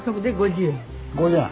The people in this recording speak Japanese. ５０円？